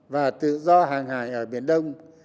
và tự do hàng hải ở biển đông